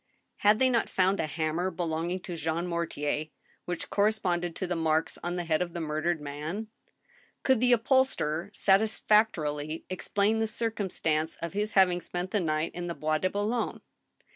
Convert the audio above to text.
Had they not found a hammer belonging to Jean Mortier, which corresponded to the marks on the head of the murdered man ? Could the upholsterer satisfactorily explain the circumstance of his having spent the night in the Bois de Boulogne